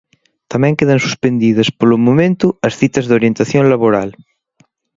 Tamén quedan suspendidas, polo momento, as citas de orientación laboral.